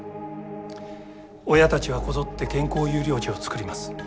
親たちはこぞって健康優良児を作ります。